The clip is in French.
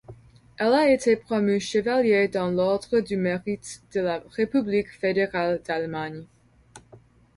Elle a été promue chevalier dans l'Ordre du Mérite de la République fédérale d'Allemagne.